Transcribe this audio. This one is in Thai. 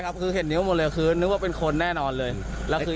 คือเห็นนิ้วหมดเลยคือนึกว่าเป็นคนแน่นอนเลยแล้วคือ